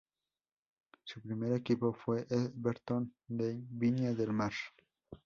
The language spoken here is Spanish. Su primer equipo fue Everton de Viña del Mar.